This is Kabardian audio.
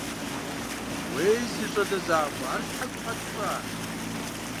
Уей, си щӀалэ закъуэ, ар щхьэ гукъэкӀ пщӀа?